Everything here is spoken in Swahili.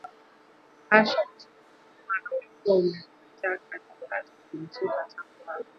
Hasha! Uchungu wa mwana ulikuwa umekataa katakata kumtoka tangu hapo